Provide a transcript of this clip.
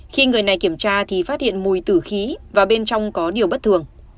khi người này kiểm tra thì phát hiện mùi tử khí và bên trong có điều bất thường